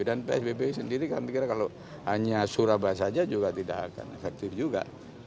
dan psbb sendiri kami kira kalau hanya surabaya saja juga tidak akan efektif juga